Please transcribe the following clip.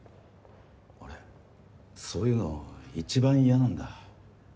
俺そういうの一番イヤなんだ。